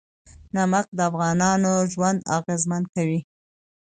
نمک د افغانانو ژوند اغېزمن کوي.